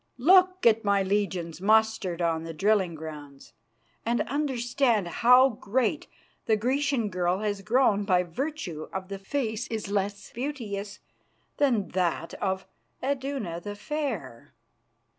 Look at my legions mustered on the drilling grounds, and understand how great the Grecian girl has grown by virtue of the face which is less beauteous than that of Iduna the Fair!"